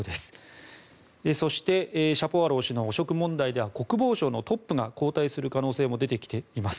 そしてシャポワロウ氏の汚職問題では国防省のトップが交代する可能性も出てきています。